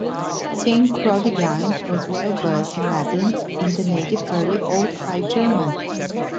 Saint Chrodegang was well versed in Latin and the native early Old High German.